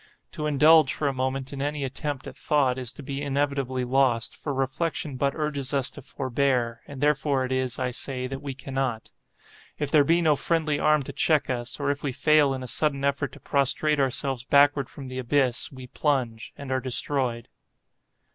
To indulge, for a moment, in any attempt at thought, is to be inevitably lost; for reflection but urges us to forbear, and therefore it is, I say, that we cannot. If there be no friendly arm to check us, or if we fail in a sudden effort to prostrate ourselves backward from the abyss, we plunge, and are destroyed.